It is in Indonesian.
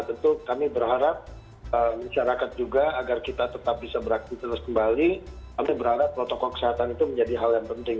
tentu kami berharap masyarakat juga agar kita tetap bisa beraktivitas kembali kami berharap protokol kesehatan itu menjadi hal yang penting